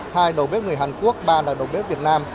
hai đầu bếp người hàn quốc ba là đầu bếp việt nam